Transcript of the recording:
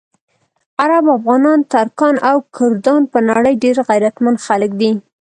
عرب، افغانان، ترکان او کردان په نړۍ ډېر غیرتمند خلک دي.